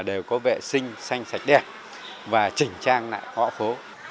đều có vệ sinh xanh sạch đẹp và chỉnh trang lại ngõ phố